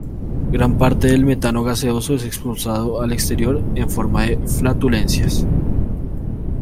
Gran parte del metano gaseoso es expulsado al exterior en forma de flatulencias.